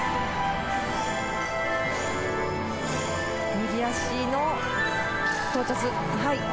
右足の到達。